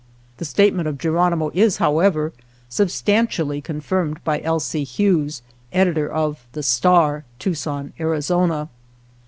The statement of Geronimo is, however, substantially confirmed by L. C. Hughes, editor of The, Star, Tucson, Arizona.